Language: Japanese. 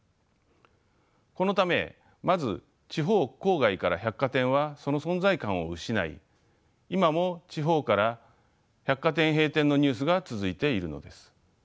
このためまず地方郊外から百貨店はその存在感を失い今も地方から百貨店閉店のニュースが続いているのです。